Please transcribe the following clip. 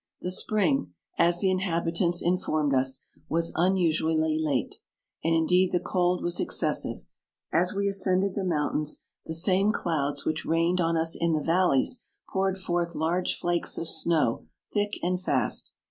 The spring, as the inhabitants informed us, was un usually late, and indeed the cold was excessive ; as we ascended the moun tains, the same clouds which rained on us in the vallies poured forth large flakes of snow thick and fast.